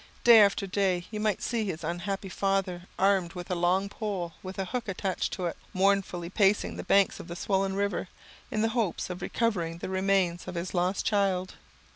Day after day you might see his unhappy father, armed with a long pole, with a hook attached to it, mournfully pacing the banks of the swollen river, in the hope of recovering the remains of his lost child.